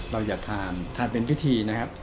เราอยากทานทานเป็นพิธีนะครับ